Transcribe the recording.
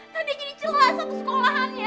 nadia jadi celah satu sekolahannya